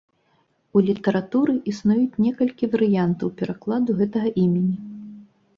У літаратуры існуюць некалькі варыянтаў перакладу гэтага імені.